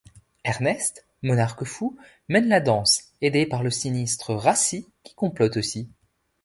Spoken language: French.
Ernest, monarque fou, mène la danse, aidé par le sinistre Rassi qui complote aussi.